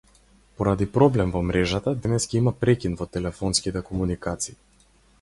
Поради проблем во мрежата, денес ќе има прекин во телефонските комуникации.